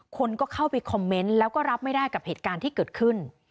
คนก็เข้าไปคอมเมนต์แล้วก็รับไม่ได้กับเหตุการณ์ที่เกิดขึ้น